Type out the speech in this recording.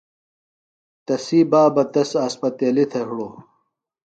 تسی بابہ تس اسپتیلیۡ تھےۡ ہِڑوۡ۔